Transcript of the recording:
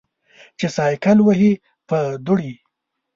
چې سایکل وهې په دوړې.